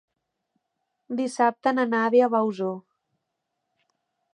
Dissabte na Nàdia va a Osor.